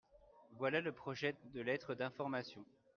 voilà le projet de lettre d'information.